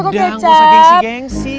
udah gak usah gengsi gengsi